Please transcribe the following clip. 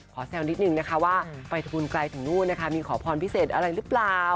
แซวนิดนึงนะคะว่าไปทำบุญไกลถึงนู่นนะคะมีขอพรพิเศษอะไรหรือเปล่า